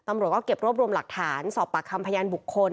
ตำรวจก็เก็บรวบรวมหลักฐานสอบปากคำพยานบุคคล